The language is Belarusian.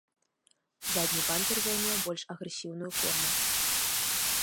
Задні бампер займеў больш агрэсіўную форму.